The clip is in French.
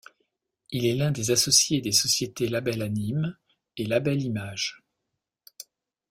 Il est l'un des associés des sociétés Label Anim et Label Image.